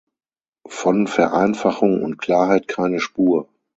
Von Vereinfachung und Klarheit keine Spur!